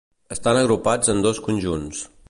Estan agrupats en dos conjunts.